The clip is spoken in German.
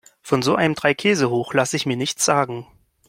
Von so einem Dreikäsehoch lasse ich mir nichts sagen.